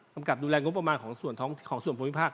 กำกับดูแลงงบประมาณของส่วนผลมิพากษ์